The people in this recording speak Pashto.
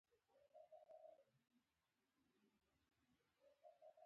بیکونه یې کتل.